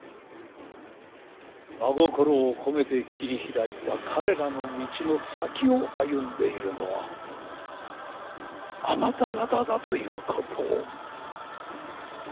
真心を込めて切り開いた彼らの道の先を歩んでいるのはあなた方だということを。